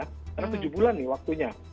karena tujuh bulan nih waktunya